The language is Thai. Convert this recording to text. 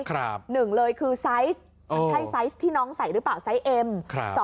ครับ๑เลยคือไซส์โอ้ใช่ไซส์ที่น้องใส่หรือเปล่า